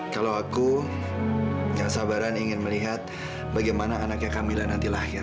kalau aku gak sabaran ingin melihat bagaimana anaknya camilla nanti lahir